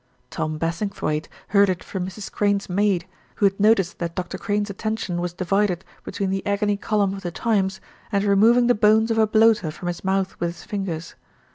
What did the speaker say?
Tom Bassingthwaighte heard it from Mrs. Crane's maid, who had noticed that Dr. Crane's attention was divided between the agony column of The Times, and removing the bones of a bloater from his mouth with his fingers.